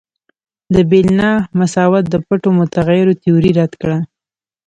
د بیل نا مساوات د پټو متغیرو تیوري رد کړه.